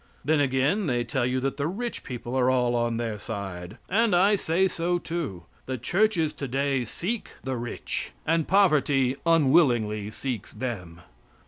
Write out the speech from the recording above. Then, again, they tell you that the rich people are all on their side, and I say so, too. The churches today seek the rich, and poverty unwillingly seeks them.